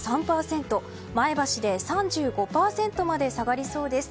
前橋で３５％まで下がりそうです。